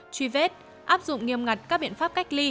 truy vết áp dụng nghiêm ngặt các biện pháp cách ly